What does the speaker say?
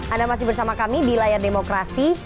anda masih bersama kami di layar demokrasi